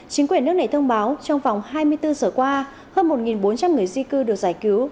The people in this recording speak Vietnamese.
chính quyền nước này thông báo trong vòng hai mươi bốn giờ qua hơn một bốn trăm linh người di cư được giải cứu